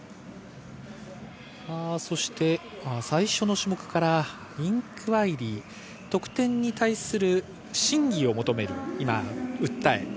最初の種目からインクワイヤリー、得点に対する審議を求める訴え。